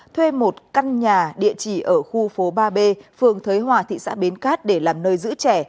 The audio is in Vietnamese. thuê một căn nhà địa chỉ ở khu phố ba b phường thới hòa thị xã bến cát để làm nơi giữ trẻ